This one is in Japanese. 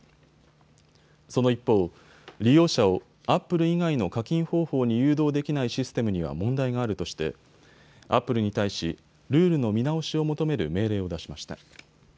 その一方、利用者をアップル以外の課金方法に誘導できないシステムには問題があるとしてアップルに対し、ルールの見直しを求める命令を出しました。